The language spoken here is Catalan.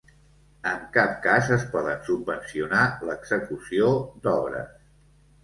En cap cas es poden subvencionar l'execució d'obres.